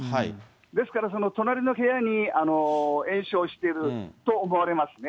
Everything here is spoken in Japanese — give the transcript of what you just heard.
ですから、その隣の部屋に延焼してると思われますね。